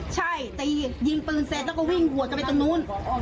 ใช่ตียิงปืนเสร็จแล้วก็วิ่งหัวกันไปตรงนู้น